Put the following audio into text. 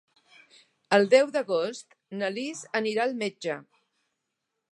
El deu d'agost na Lis anirà al metge.